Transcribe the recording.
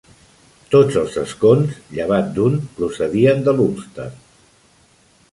Tots els escons, llevat d'un, procedien de l'Ulster.